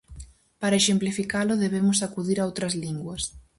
Para exemplificalo debemos acudir a outras linguas.